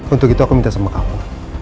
untuk itu aku minta sama kamu